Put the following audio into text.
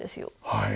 はい。